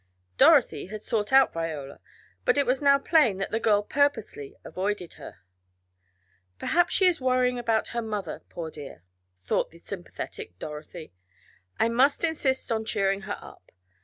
Dorothy had sought out Viola, but it was now plain that the girl purposely avoided her. "Perhaps she is worrying about her mother, poor dear," thought the sympathetic Dorothy. "I must insist on cheering her up.